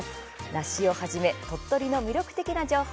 梨をはじめ鳥取の魅力的な情報